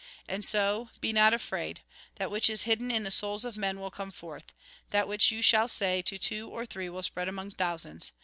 " And so, be not afraid. That which is hidden in the souls of men will come forth. That which you shall say to two or three will spread among thousands.